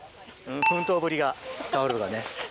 奮闘ぶりが、タオルにね。